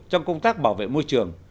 trong công tác bảo vệ môi trường